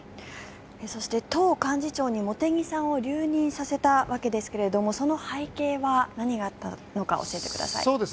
そして、党幹事長に茂木さんを留任させたわけですがその背景は何があったのか教えてください。